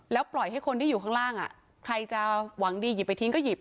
แล้วปล่อยให้คนที่อยู่ข้างล่างใครจะหวังดีหยิบไปทิ้งก็หยิบ